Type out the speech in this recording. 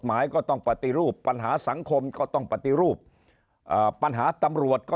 หมายก็ต้องปฏิรูปปัญหาสังคมก็ต้องปฏิรูปปัญหาตำรวจก็